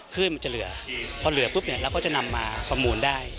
ขึ้นมันจะเหลือพอเหลือปุ๊บเนี่ยเราก็จะนำมาประมูลได้